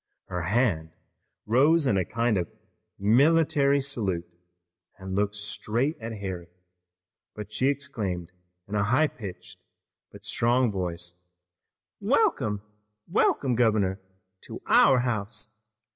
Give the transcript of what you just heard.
Her hand rose in a kind of military salute, and looking straight at Harry she exclaimed in a high pitched but strong voice: "Welcome, welcome, governor, to our house!